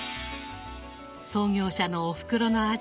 創業者のおふくろの味